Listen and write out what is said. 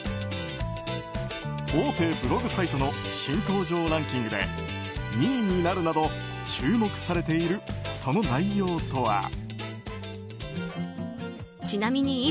大手ブログサイトの新登場ランキングで２位になるなど注目されているその内容とは。